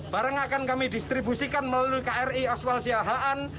barang akan kami distribusikan melalui kri aswal siahaan